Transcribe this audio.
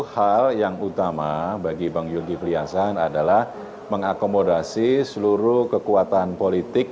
pertama bagi bang zulkifli hasan adalah mengakomodasi seluruh kekuatan politik